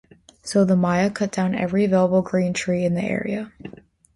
So the Maya cut down every available green tree in the area.